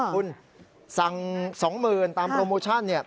คุณสั่ง๒๐๐๐๐บาทตามโปรโมชั่น